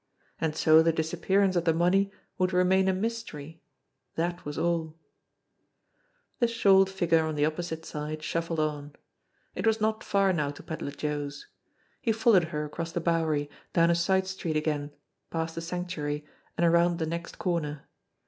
And so the disappearance of the money would remain a mystery that was all ! The shawled figure on the opposite side shuffled on. It was not far now to Pedler Joe's. He followed her across the Bowery, down a side street again, past the Sanctuary, and around the next corner.